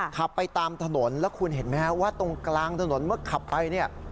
ขับไปตามถนนแล้วคุณเห็นไหมฮะว่าตรงกลางถนนเมื่อขับไปเนี่ย